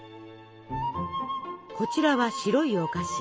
こちらは「白いお菓子」。